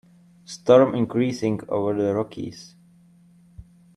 Storm increasing over the Rockies.